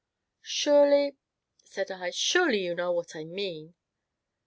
"Surely," said I, "surely you know what I mean